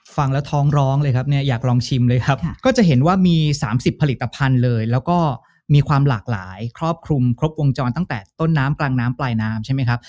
ฟังแล้วท้องร้องเลยครับเนี่ยอยากลองชิมเลยครับก็จะเห็นว่ามี๓๐ผลิตภัณฑ์เลยแล้วก็มีความหลากหลายครอบคลุมครบวงจรตั้งแต่ต้นน้ำกลางน้ำปลายน้ำใช่ไหมครับ